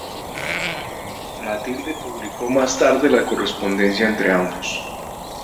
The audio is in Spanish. Matilde publicó más tarde la correspondencia entre ambos.